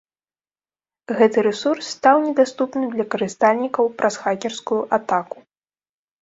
Гэты рэсурс стаў недаступным для карыстальнікаў праз хакерскую атаку.